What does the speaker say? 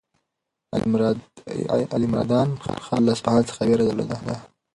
علیمردان خان له اصفهان څخه وېره درلوده.